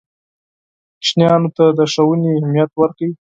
ماشومانو ته د ښوونې اهمیت ورکړئ.